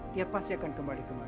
dia pasti akan kembali kemana